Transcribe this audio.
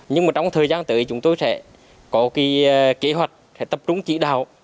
nhưng trong thời gian tới chúng tôi sẽ có kế hoạch tập trung trị đạo